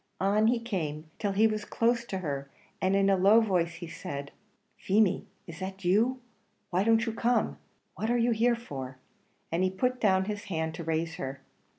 On he came till he was close to her, and in a low voice he said, "Feemy, is that you? why don't you come? what are you here for?" and he put down his hand to raise her.